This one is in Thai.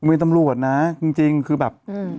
คุณเป็นตำรวจนะจริงคือแบบ